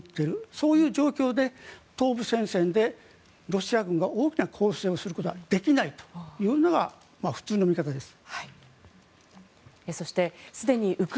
そういう状況で東部戦線でロシア軍が大きな攻勢をすることはできないというのが普通の見方です。